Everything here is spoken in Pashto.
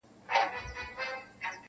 • د چا سل وه د چا زر كاله عمرونه -